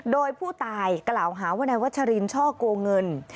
โดยผู้ตายกล่าวหาว่านายวัชรินช่อโกงเงิน